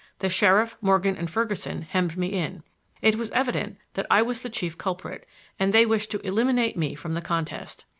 The sheriff, Morgan and Ferguson hemmed me in. It was evident that I was the chief culprit, and they wished to eliminate me from the contest.